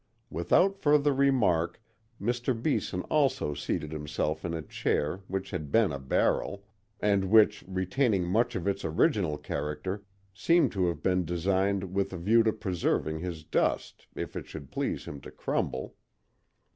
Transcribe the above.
Without further remark Mr. Beeson also seated himself in a chair which had been a barrel, and which, retaining much of its original character, seemed to have been designed with a view to preserving his dust if it should please him to crumble.